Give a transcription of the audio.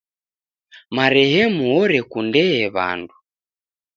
Marehemu orekundee w'andu.